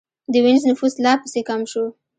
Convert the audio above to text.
د وینز نفوس لا پسې کم شو.